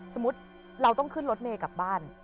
สมมุติเราต้องขึ้นรถเมย์กลับบ้าน